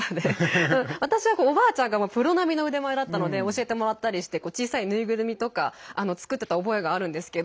私は、おばあちゃんがプロ並みの腕前だったので教えてもらったりして小さい縫いぐるみとか作ってた覚えがあるんですけど。